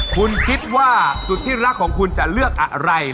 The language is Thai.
คุณคิดว่าสุดที่รักของคุณจะเลือกอะไร